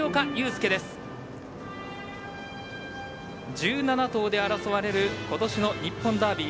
１７頭で争われることしの日本ダービー。